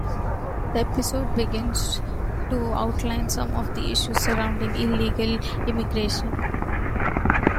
The episode begins to outline some of the issues surrounding illegal immigration.